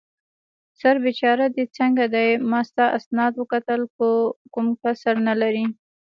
سر بېچاره دې څنګه دی؟ ما ستا اسناد وکتل، کوم کسر نه لرې.